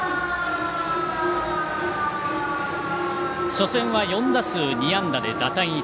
初戦は４打数２安打で打点１。